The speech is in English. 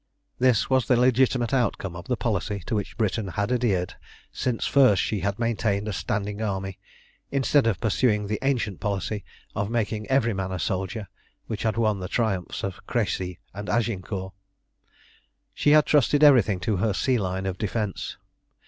This was the legitimate outcome of the policy to which Britain had adhered since first she had maintained a standing army, instead of pursuing the ancient policy of making every man a soldier, which had won the triumphs of Creçy and Agincourt. She had trusted everything to her sea line of defence.